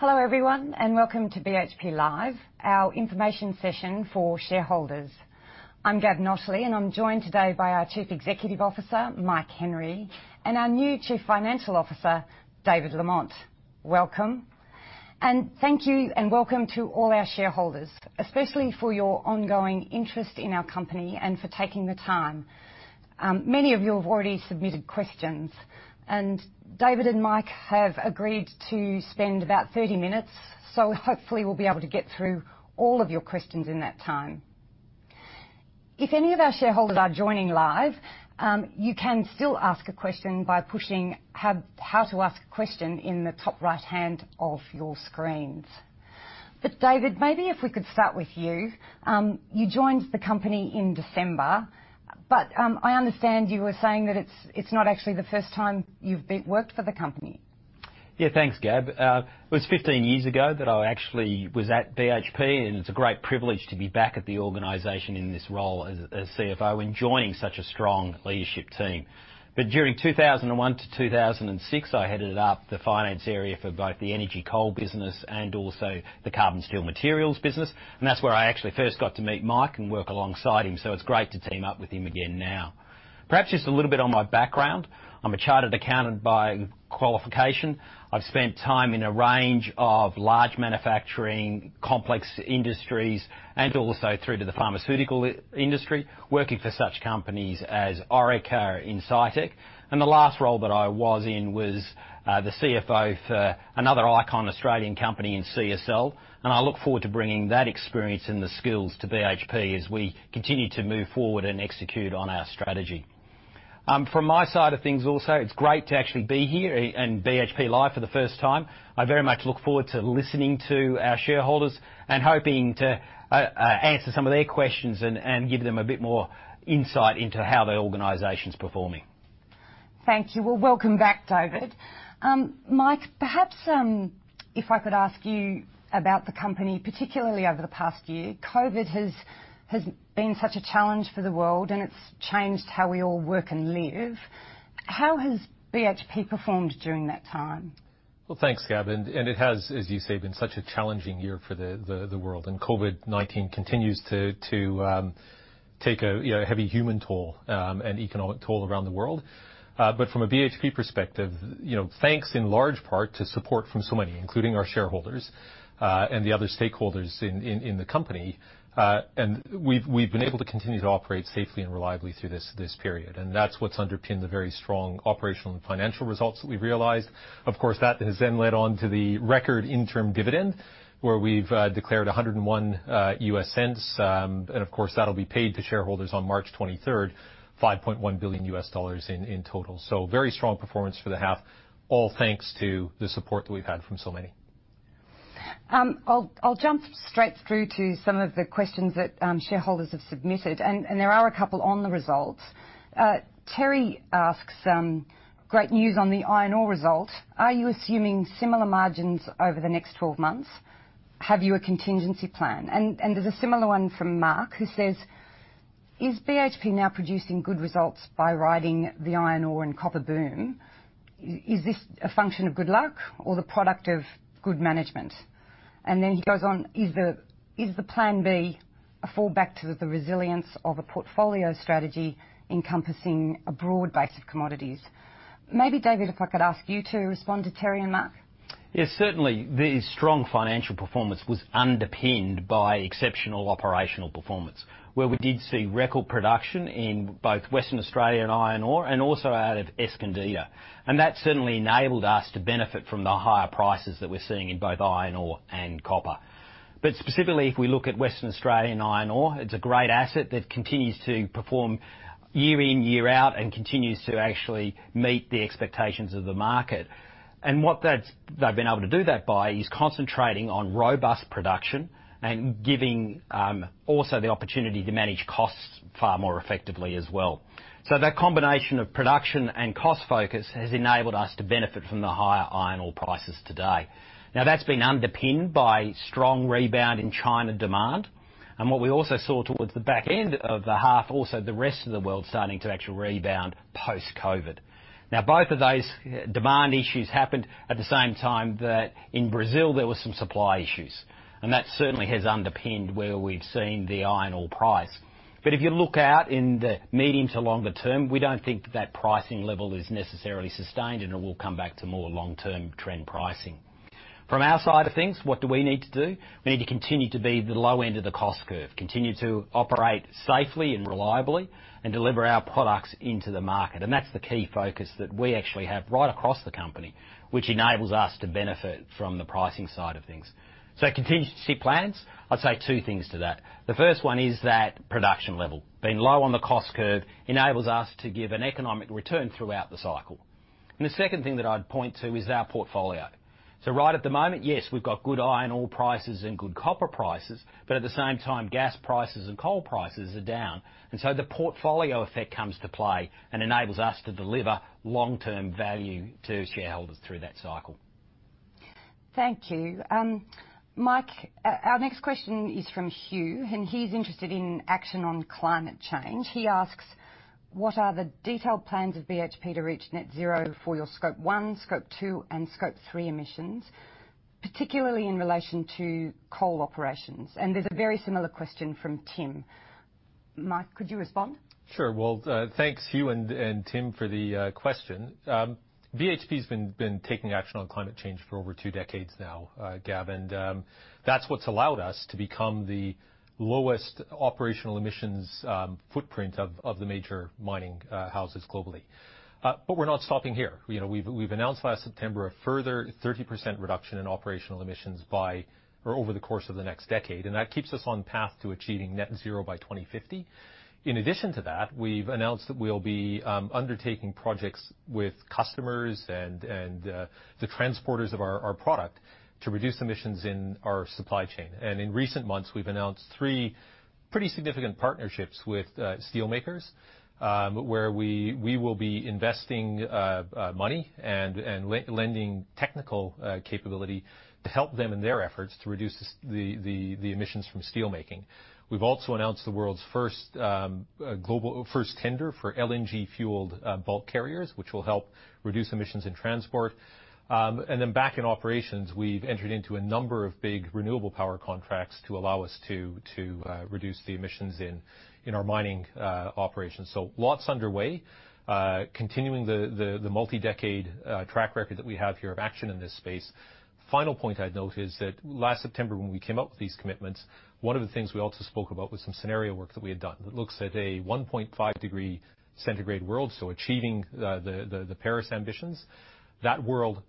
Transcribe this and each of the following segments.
Hello everyone, welcome to BHP Live, our information session for shareholders. I'm Gabrielle Notley, and I'm joined today by our Chief Executive Officer, Mike Henry, and our new Chief Financial Officer, David Lamont. Welcome. Thank you, and welcome to all our shareholders, especially for your ongoing interest in our company and for taking the time. Many of you have already submitted questions. David and Mike have agreed to spend about 30 minutes, so hopefully we'll be able to get through all of your questions in that time. If any of our shareholders are joining live, you can still ask a question by pushing How to Ask a Question in the top right hand of your screens. David, maybe if we could start with you. You joined the company in December, but I understand you were saying that it's not actually the first time you've worked for the company. Yeah, thanks, Gab. It was 15 years ago that I actually was at BHP, and it's a great privilege to be back at the organization in this role as CFO and joining such a strong leadership team. During 2001 to 2006, I headed up the finance area for both the energy coal business and also the carbon steel materials business. That's where I actually first got to meet Mike and work alongside him, so it's great to team up with him again now. Perhaps just a little bit on my background. I'm a chartered accountant by qualification. I've spent time in a range of large manufacturing complex industries, and also through to the pharmaceutical industry, working for such companies as Orica, Incitec. The last role that I was in was the CFO for another icon Australian company in CSL, and I look forward to bringing that experience and the skills to BHP as we continue to move forward and execute on our strategy. From my side of things also, it's great to actually be here in BHP Live for the first time. I very much look forward to listening to our shareholders and hoping to answer some of their questions and give them a bit more insight into how the organization's performing. Thank you. Well, welcome back, David. Mike, perhaps if I could ask you about the company, particularly over the past year. COVID has been such a challenge for the world, and it's changed how we all work and live. How has BHP performed during that time? Well, thanks, Gab, it has, as you say, been such a challenging year for the world. COVID-19 continues to take a heavy human toll, and economic toll around the world. From a BHP perspective, thanks in large part to support from so many, including our shareholders, and the other stakeholders in the company, we've been able to continue to operate safely and reliably through this period. That's what's underpinned the very strong operational and financial results that we've realized. Of course, that has then led on to the record interim dividend, where we've declared $1.01. Of course, that'll be paid to shareholders on March 23rd, $5.1 billion in total. Very strong performance for the half, all thanks to the support that we've had from so many. I'll jump straight through to some of the questions that shareholders have submitted. There are a couple on the results. Terry asks, "Great news on the iron ore result. Are you assuming similar margins over the next 12 months? Have you a contingency plan?" There's a similar one from Mark, who says, "Is BHP now producing good results by riding the iron ore and copper boom? Is this a function of good luck or the product of good management?" Then he goes on, "Is the plan B a fallback to the resilience of a portfolio strategy encompassing a broad base of commodities?" Maybe, David, if I could ask you to respond to Terry and Mark. Yes, certainly. The strong financial performance was underpinned by exceptional operational performance, where we did see record production in both Western Australia and Iron Ore, and also out of Escondida. That certainly enabled us to benefit from the higher prices that we're seeing in both iron ore and copper. Specifically, if we look at Western Australian Iron Ore, it's a great asset that continues to perform year in, year out, and continues to actually meet the expectations of the market. What they've been able to do that by is concentrating on robust production and giving also the opportunity to manage costs far more effectively as well. That combination of production and cost focus has enabled us to benefit from the higher iron ore prices today. That's been underpinned by strong rebound in China demand. What we also saw towards the back end of the half, also the rest of the world starting to actually rebound post-COVID-19. Both of those demand issues happened at the same time that in Brazil, there were some supply issues. That certainly has underpinned where we've seen the iron ore price. If you look out in the medium to longer term, we don't think that pricing level is necessarily sustained, and it will come back to more long-term trend pricing. From our side of things, what do we need to do? We need to continue to be the low end of the cost curve, continue to operate safely and reliably, and deliver our products into the market. That's the key focus that we actually have right across the company, which enables us to benefit from the pricing side of things. Contingency plans, I'd say two things to that. The first one is that production level. Being low on the cost curve enables us to give an economic return throughout the cycle. The second thing that I'd point to is our portfolio. Right at the moment, yes, we've got good iron ore prices and good copper prices, but at the same time, gas prices and coal prices are down. The portfolio effect comes to play and enables us to deliver long-term value to shareholders through that cycle. Thank you. Mike, our next question is from Hugh, and he's interested in action on climate change. He asks, "What are the detailed plans of BHP to reach net zero for your Scope 1, Scope 2, and Scope 3 emissions?" Particularly in relation to coal operations. There's a very similar question from Tim. Mike, could you respond? Sure. Well, thanks, Hugh and Tim, for the question. BHP's been taking action on climate change for over two decades now, Gab, and that's what's allowed us to become the lowest operational emissions footprint of the major mining houses globally. We're not stopping here. We've announced last September a further 30% reduction in operational emissions over the course of the next decade, and that keeps us on path to achieving net zero by 2050. In addition to that, we've announced that we'll be undertaking projects with customers and the transporters of our product to reduce emissions in our supply chain. In recent months, we've announced three pretty significant partnerships with steelmakers, where we will be investing money and lending technical capability to help them in their efforts to reduce the emissions from steel making. We've also announced the world's first tender for LNG-fueled bulk carriers, which will help reduce emissions in transport. Back in operations, we've entered into a number of big renewable power contracts to allow us to reduce the emissions in our mining operations. Lots underway. Continuing the multi-decade track record that we have here of action in this space. The final point I'd note is that last September, when we came up with these commitments, one of the things we also spoke about was some scenario work that we had done that looks at a 1.5 degree centigrade world, so achieving the Paris ambitions. That world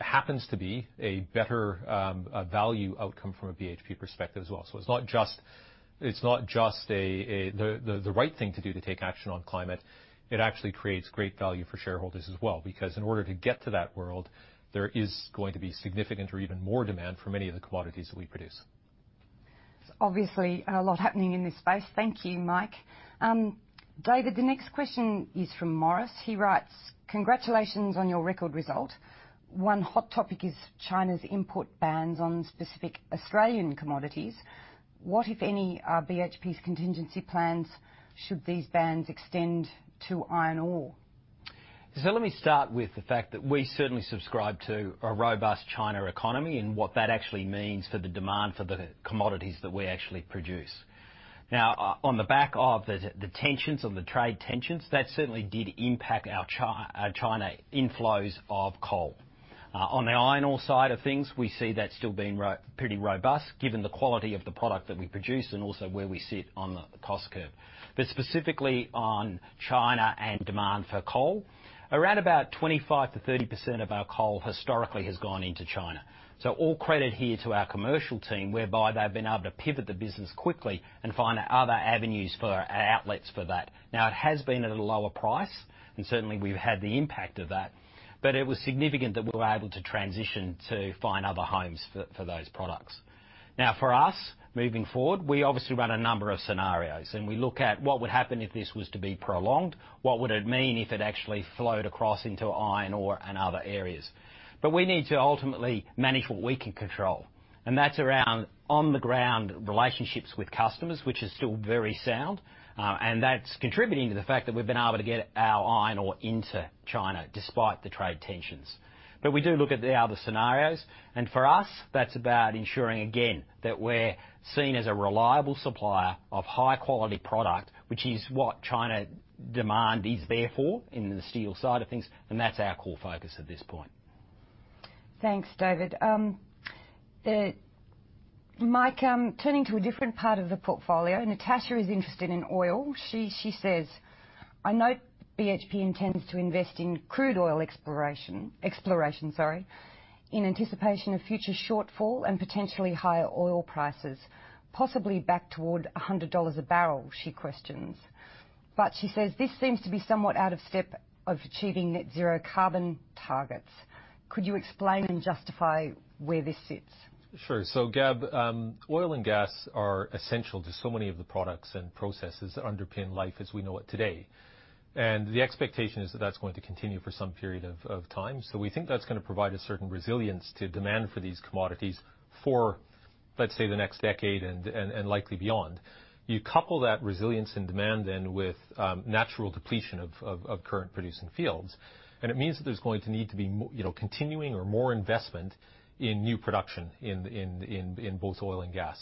happens to be a better value outcome from a BHP perspective as well. It's not just the right thing to do to take action on climate, it actually creates great value for shareholders as well. In order to get to that world, there is going to be significant or even more demand for many of the commodities that we produce. There's obviously a lot happening in this space. Thank you, Mike. David, the next question is from Morris. He writes, "Congratulations on your record result. One hot topic is China's import bans on specific Australian commodities. What, if any, are BHP's contingency plans should these bans extend to iron ore? Let me start with the fact that we certainly subscribe to a robust China economy and what that actually means for the demand for the commodities that we actually produce. On the back of the tensions, on the trade tensions, that certainly did impact our China inflows of coal. On the iron ore side of things, we see that still being pretty robust given the quality of the product that we produce and also where we sit on the cost curve. Specifically on China and demand for coal, around about 25%-30% of our coal historically has gone into China. All credit here to our commercial team, whereby they've been able to pivot the business quickly and find other avenues for outlets for that. Now, it has been at a lower price, and certainly we've had the impact of that, but it was significant that we were able to transition to find other homes for those products. Now for us, moving forward, we obviously run a number of scenarios, and we look at what would happen if this was to be prolonged. What would it mean if it actually flowed across into iron ore and other areas? We need to ultimately manage what we can control, and that's around on-the-ground relationships with customers, which is still very sound. That's contributing to the fact that we've been able to get our iron ore into China despite the trade tensions. We do look at the other scenarios, and for us, that's about ensuring, again, that we're seen as a reliable supplier of high-quality product, which is what China demand is there for in the steel side of things, and that's our core focus at this point. Thanks, David. Mike, turning to a different part of the portfolio, Natasha is interested in oil. She says, "I note BHP intends to invest in crude oil exploration in anticipation of future shortfall and potentially higher oil prices, possibly back toward $100 bbl," she questions. She says, "This seems to be somewhat out of step of achieving net zero carbon targets. Could you explain and justify where this sits? Sure. Gab, oil and gas are essential to so many of the products and processes that underpin life as we know it today, and the expectation is that that's going to continue for some period of time. We think that's going to provide a certain resilience to demand for these commodities for, let's say, the next decade and likely beyond. You couple that resilience and demand then with natural depletion of current producing fields, and it means that there's going to need to be continuing or more investment in new production in both oil and gas.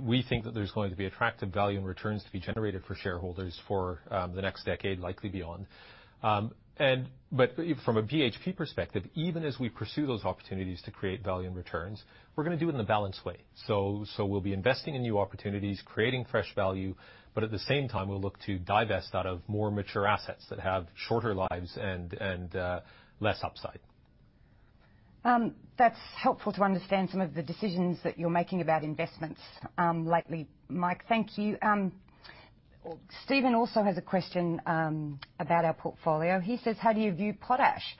We think that there's going to be attractive value and returns to be generated for shareholders for the next decade, likely beyond. From a BHP perspective, even as we pursue those opportunities to create value and returns, we're going to do it in a balanced way. We'll be investing in new opportunities, creating fresh value. At the same time, we'll look to divest out of more mature assets that have shorter lives and less upside. That's helpful to understand some of the decisions that you're making about investments lately, Mike. Thank you. Stephen also has a question about our portfolio. He says, "How do you view potash?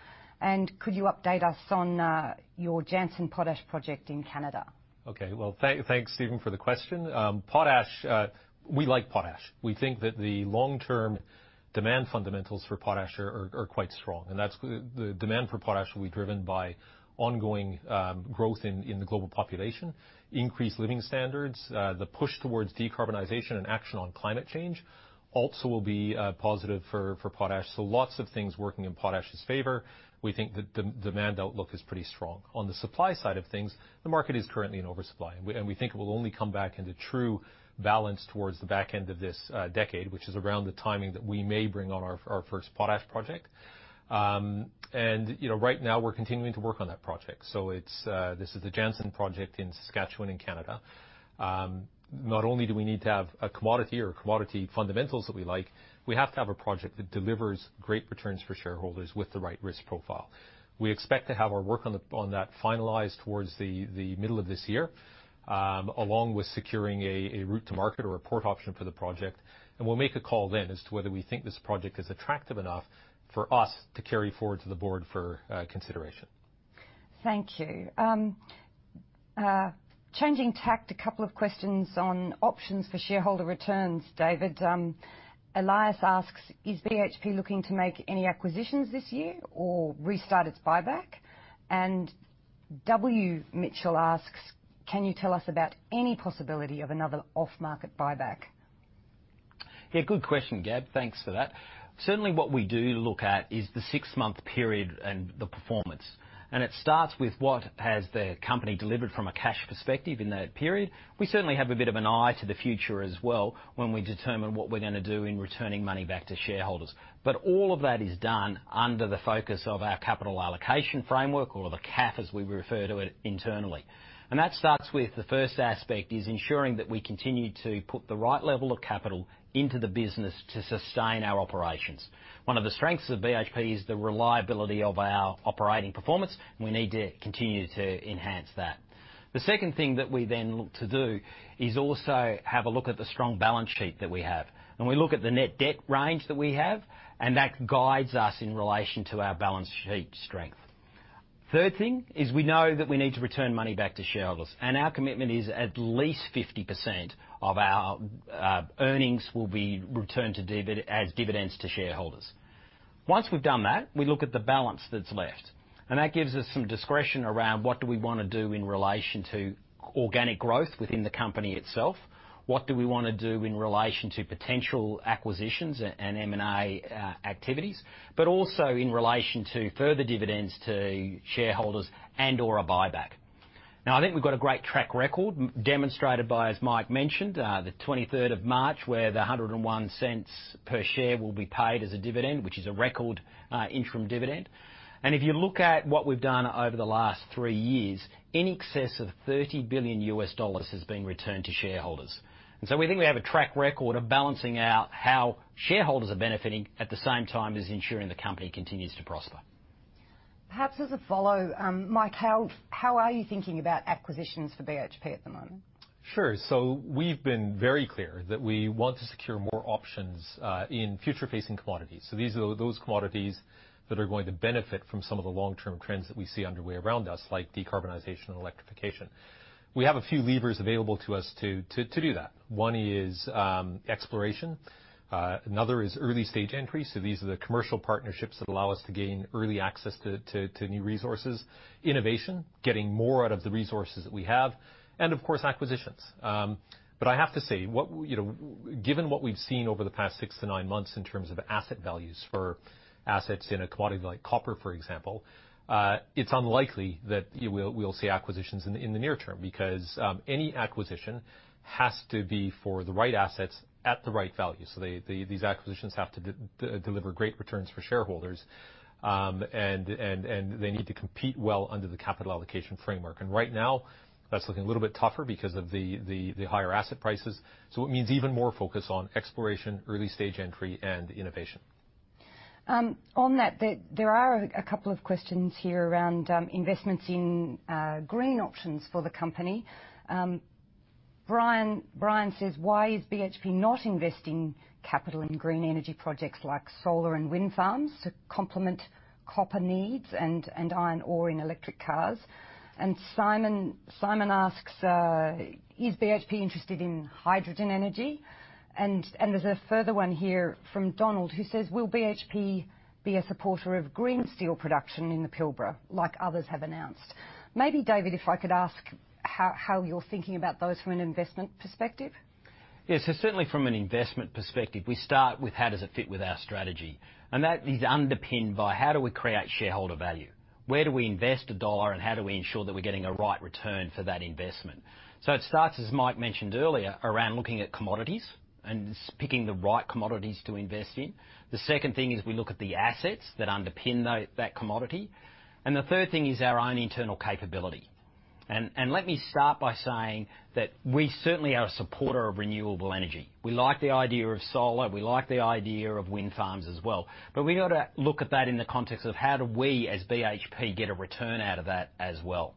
Could you update us on your Jansen Potash project in Canada? Okay. Well, thanks, Stephen, for the question. Potash, we like potash. We think that the long-term demand fundamentals for potash are quite strong. The demand for potash will be driven by ongoing growth in the global population, increased living standards. The push towards decarbonization and action on climate change also will be positive for potash. Lots of things working in potash's favor. We think the demand outlook is pretty strong. On the supply side of things, the market is currently in oversupply, and we think it will only come back into true balance towards the back end of this decade, which is around the timing that we may bring on our first potash project. Right now, we're continuing to work on that project. This is the Jansen project in Saskatchewan in Canada. Not only do we need to have a commodity or commodity fundamentals that we like, we have to have a project that delivers great returns for shareholders with the right risk profile. We expect to have our work on that finalized towards the middle of this year, along with securing a route to market or a port option for the project. We'll make a call then as to whether we think this project is attractive enough for us to carry forward to the board for consideration. Thank you. Changing tact, a couple of questions on options for shareholder returns, David. Elias asks, "Is BHP looking to make any acquisitions this year or restart its buyback?" W. Mitchell asks, "Can you tell us about any possibility of another off-market buyback? Yeah, good question, Gab. Thanks for that. Certainly, what we do look at is the six-month period and the performance. It starts with what has the company delivered from a cash perspective in that period. We certainly have a bit of an eye to the future as well when we determine what we're going to do in returning money back to shareholders. All of that is done under the focus of our Capital Allocation Framework, or the CAF, as we refer to it internally. That starts with the first aspect is ensuring that we continue to put the right level of capital into the business to sustain our operations. One of the strengths of BHP is the reliability of our operating performance. We need to continue to enhance that. The second thing that we then look to do is also have a look at the strong balance sheet that we have. We look at the net debt range that we have, and that guides us in relation to our balance sheet strength. Third thing is we know that we need to return money back to shareholders. Our commitment is at least 50% of our earnings will be returned as dividends to shareholders. Once we've done that, we look at the balance that's left, and that gives us some discretion around what do we want to do in relation to organic growth within the company itself. What do we want to do in relation to potential acquisitions and M&A activities, but also in relation to further dividends to shareholders and/or a buyback. I think we've got a great track record demonstrated by, as Mike mentioned, the 23rd of March, where $1.01 per share will be paid as a dividend, which is a record interim dividend. If you look at what we've done over the last three years, in excess of $30 billion has been returned to shareholders. We think we have a track record of balancing out how shareholders are benefiting at the same time as ensuring the company continues to prosper. Perhaps as a follow, Mike, how are you thinking about acquisitions for BHP at the moment? Sure. We've been very clear that we want to secure more options in future-facing commodities. These are those commodities that are going to benefit from some of the long-term trends that we see underway around us, like decarbonization and electrification. We have a few levers available to us to do that. One is exploration. Another is early-stage entry. These are the commercial partnerships that allow us to gain early access to new resources. Innovation, getting more out of the resources that we have, and of course, acquisitions. I have to say, given what we've seen over the past six to nine months in terms of asset values for assets in a commodity like copper, for example, it's unlikely that we'll see acquisitions in the near term because any acquisition has to be for the right assets at the right value. These acquisitions have to deliver great returns for shareholders. They need to compete well under the Capital Allocation Framework. Right now, that's looking a little bit tougher because of the higher asset prices. It means even more focus on exploration, early-stage entry, and innovation. On that, there are a couple of questions here around investments in green options for the company. Brian says, "Why is BHP not investing capital in green energy projects like solar and wind farms to complement copper needs and iron ore in electric cars?" Simon asks, "Is BHP interested in hydrogen energy?" There's a further one here from Donald, who says, "Will BHP be a supporter of green steel production in the Pilbara like others have announced?" Maybe, David, if I could ask how you're thinking about those from an investment perspective. Yeah. Certainly, from an investment perspective, we start with how does it fit with our strategy. That is underpinned by how do we create shareholder value. Where do we invest $1, and how do we ensure that we're getting a right return for that investment? It starts, as Mike mentioned earlier, around looking at commodities and picking the right commodities to invest in. The second thing is we look at the assets that underpin that commodity. The third thing is our own internal capability. Let me start by saying that we certainly are a supporter of renewable energy. We like the idea of solar, we like the idea of wind farms as well. We got to look at that in the context of how do we, as BHP, get a return out of that as well.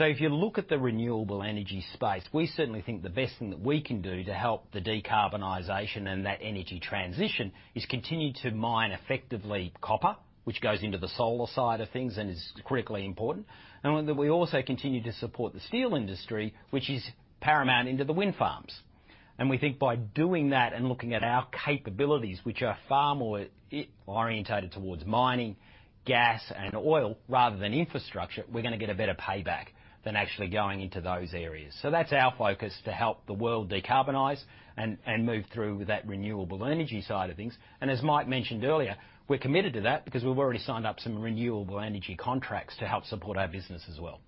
If you look at the renewable energy space, we certainly think the best thing that we can do to help the decarbonization and that energy transition is continue to mine effectively copper, which goes into the solar side of things and is critically important, and that we also continue to support the steel industry, which is paramount into the wind farms. We think by doing that and looking at our capabilities, which are far more orientated towards mining gas and oil rather than infrastructure, we're going to get a better payback than actually going into those areas. That's our focus to help the world decarbonize and move through that renewable energy side of things. As Mike mentioned earlier, we're committed to that because we've already signed up some renewable energy contracts to help support our business as well.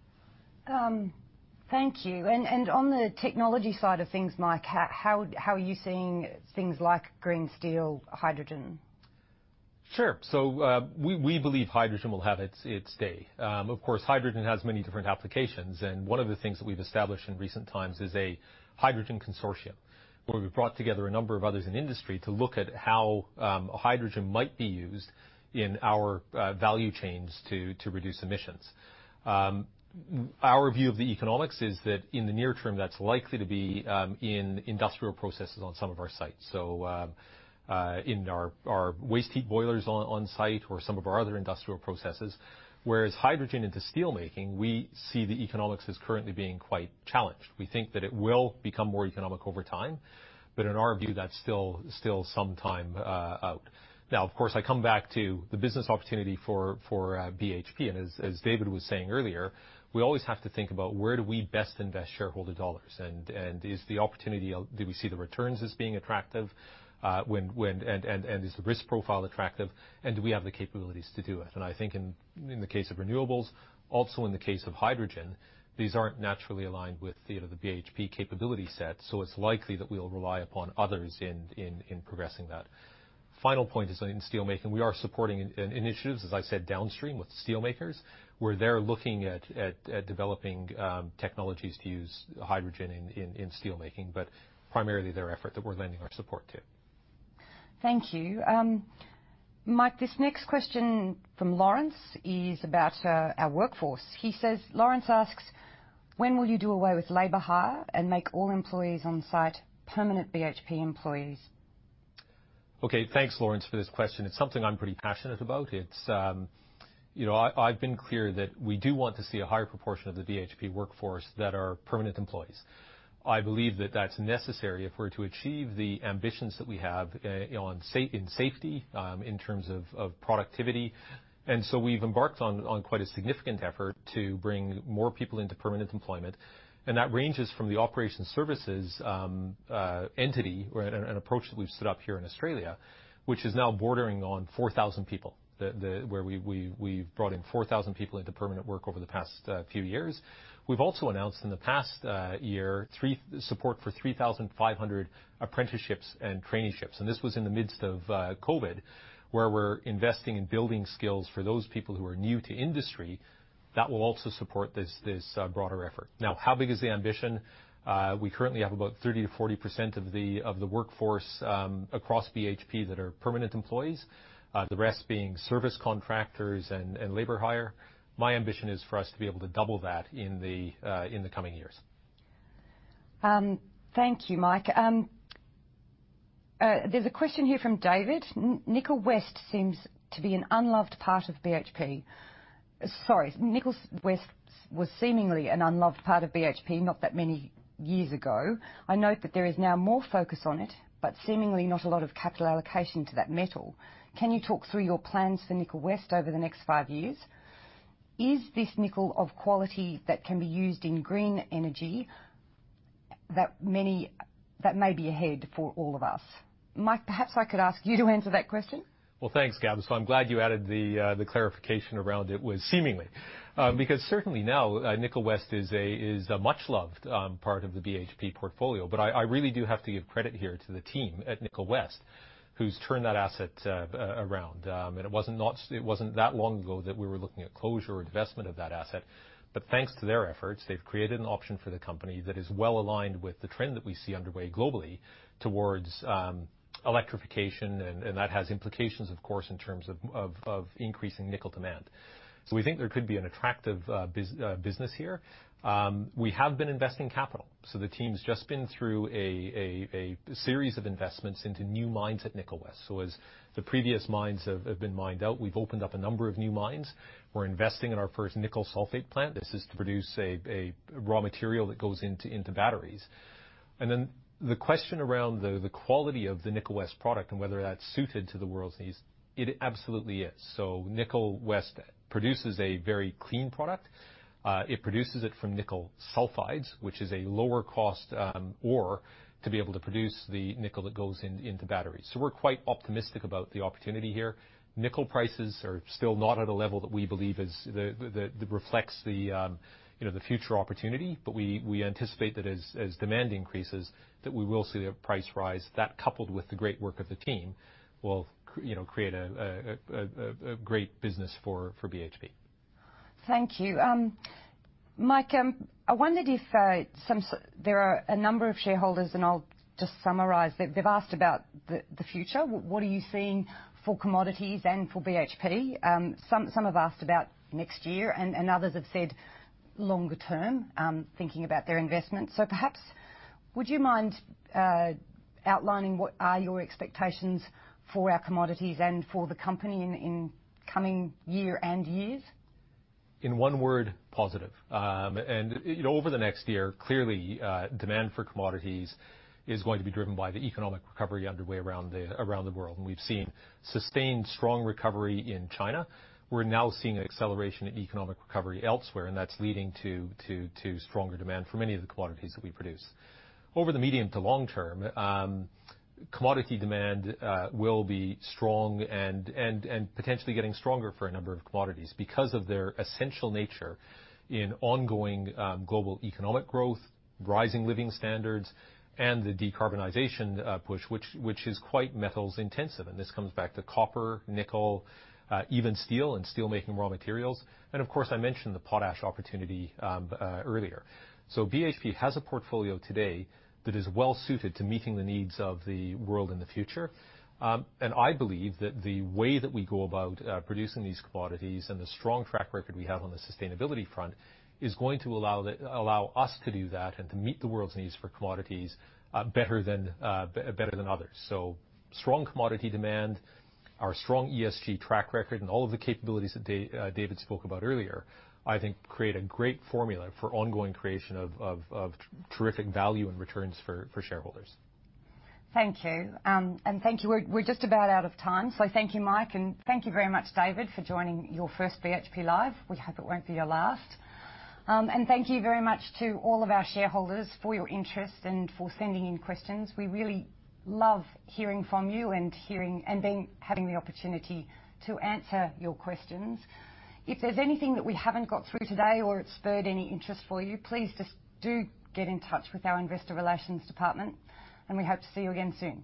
Thank you. On the technology side of things, Mike, how are you seeing things like green steel, hydrogen? Sure. We believe hydrogen will have its day. Of course, hydrogen has many different applications, and one of the things that we've established in recent times is a hydrogen consortium, where we brought together a number of others in the industry to look at how hydrogen might be used in our value chains to reduce emissions. Our view of the economics is that in the near term, that's likely to be in industrial processes on some of our sites. In our waste heat boilers on site or some of our other industrial processes, whereas hydrogen into steel making, we see the economics as currently being quite challenged. We think that it will become more economic over time, but in our view, that's still some time out. Of course, I come back to the business opportunity for BHP, and as David was saying earlier, we always have to think about where do we best invest shareholder U.S. dollars, and do we see the returns as being attractive? Is the risk profile attractive, and do we have the capabilities to do it? I think in the case of renewables, also in the case of hydrogen, these aren't naturally aligned with the BHP capability set. It's likely that we'll rely upon others in progressing that. Final point is in steelmaking, we are supporting initiatives, as I said, downstream with steelmakers, where they're looking at developing technologies to use hydrogen in steelmaking, but primarily their effort that we're lending our support to. Thank you. Mike, this next question from Lawrence is about our workforce. He says, Lawrence asks, "When will you do away with labor hire and make all employees on-site permanent BHP employees? Okay. Thanks, Lawrence, for this question. It's something I'm pretty passionate about. I've been clear that we do want to see a higher proportion of the BHP workforce that are permanent employees. I believe that that's necessary if we're to achieve the ambitions that we have in safety, in terms of productivity, and so we've embarked on quite a significant effort to bring more people into permanent employment, and that ranges from the Operations Services entity or an approach that we've set up here in Australia. Which is now bordering on 4,000 people, where we've brought in 4,000 people into permanent work over the past few years. We've also announced in the past year, support for 3,500 apprenticeships and traineeships, and this was in the midst of COVID, where we're investing in building skills for those people who are new to industry that will also support this broader effort. How big is the ambition? We currently have about 30%-40% of the workforce across BHP that are permanent employees, the rest being service contractors and labor hire. My ambition is for us to be able to double that in the coming years. Thank you, Mike. There's a question here from David. Nickel West seems to be an unloved part of BHP. Sorry. Nickel West was seemingly an unloved part of BHP not that many years ago. I note that there is now more focus on it, but seemingly not a lot of capital allocation to that metal. Can you talk through your plans for Nickel West over the next five years? Is this nickel of quality that can be used in green energy that may be ahead for all of us? Mike, perhaps I could ask you to answer that question. Thanks, Gab. I'm glad you added the clarification around it was seemingly. Certainly now, Nickel West is a much-loved part of the BHP portfolio. I really do have to give credit here to the team at Nickel West who's turned that asset around, and it wasn't that long ago that we were looking at closure or divestment of that asset. Thanks to their efforts, they've created an option for the company that is well-aligned with the trend that we see underway globally towards electrification, and that has implications, of course, in terms of increasing nickel demand. We think there could be an attractive business here. We have been investing capital, the team's just been through a series of investments into new mines at Nickel West. As the previous mines have been mined out, we've opened up a number of new mines. We're investing in our first nickel sulfate plant. This is to produce a raw material that goes into batteries. The question around the quality of the Nickel West product and whether that's suited to the world's needs, it absolutely is. Nickel West produces a very clean product. It produces it from nickel sulfides, which is a lower cost ore to be able to produce the nickel that goes into batteries. We're quite optimistic about the opportunity here. Nickel prices are still not at a level that we believe reflects the future opportunity. We anticipate that as demand increases, that we will see a price rise, that coupled with the great work of the team, will create a great business for BHP. Thank you. Mike, I wondered if there are a number of shareholders, and I'll just summarize. They've asked about the future. What are you seeing for commodities and for BHP? Some have asked about next year, and others have said longer-term, thinking about their investments. Perhaps, would you mind outlining what are your expectations for our commodities and for the company in coming year and years? In one word, positive. Over the next year, clearly, demand for commodities is going to be driven by the economic recovery underway around the world. We've seen sustained strong recovery in China. We're now seeing acceleration in economic recovery elsewhere, and that's leading to stronger demand for many of the commodities that we produce. Over the medium to long term, commodity demand will be strong and potentially getting stronger for a number of commodities because of their essential nature in ongoing global economic growth, rising living standards, and the decarbonization push, which is quite metals-intensive. This comes back to copper, nickel, even steel and steel-making raw materials. Of course, I mentioned the potash opportunity earlier. BHP has a portfolio today that is well-suited to meeting the needs of the world in the future. I believe that the way that we go about producing these commodities and the strong track record we have on the sustainability front is going to allow us to do that and to meet the world's needs for commodities better than others. Strong commodity demand, our strong ESG track record, and all of the capabilities that David spoke about earlier, I think create a great formula for ongoing creation of terrific value and returns for shareholders. Thank you. Thank you. We're just about out of time. Thank you, Mike, and thank you very much, David, for joining your first BHP Live. We hope it won't be your last. Thank you very much to all of our shareholders for your interest and for sending in questions. We really love hearing from you and having the opportunity to answer your questions. If there's anything that we haven't got through today or it spurred any interest for you, please just do get in touch with our investor relations department, and we hope to see you again soon.